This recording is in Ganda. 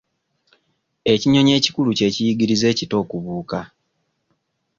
Ekinyonyi ekikulu kye kiyigiriza ekito okubuuka.